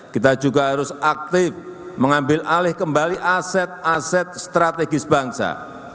kita juga harus aktif mengambil alih kembali aset aset strategis bangsa